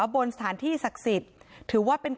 บนสถานที่ศักดิ์สิทธิ์